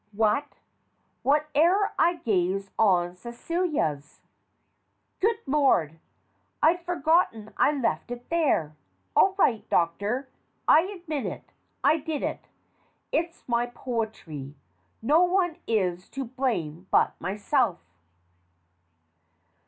What ? "Whene'er I gaze on Celia's " Good Lord ! I'd forgotten I left it there. All right, Doctor. I admit it. I did it. It's my poetry. No one is to blame but myself.